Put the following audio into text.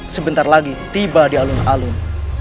sebentar lagi tiba di alun alun